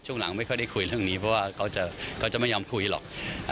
ช่วงหลังไม่ค่อยได้คุยเรื่องนี้เพราะว่าเขาจะไม่ยอมคุยหรอก